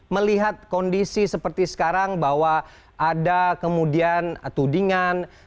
melihat kondisi seperti sekarang bahwa ada kemudian tudingan